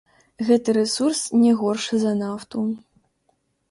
Гэты рэсурс не горшы за нафту.